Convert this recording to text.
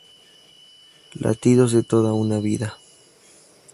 Latidos de toda una vida.